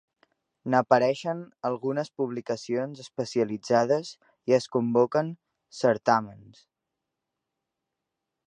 N'apareixen algunes publicacions especialitzades i es convoquen certàmens.